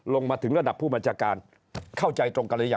ลงมาถึงระดับผู้บัญชาการเข้าใจตรงกันหรือยัง